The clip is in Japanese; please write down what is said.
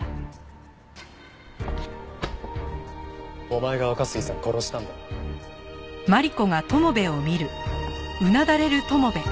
お前が若杉さんを殺したんだな？